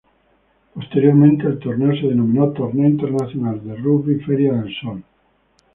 Posteriormente, el torneo se denominó "Torneo Internacional de Rugby Feria Del Sol".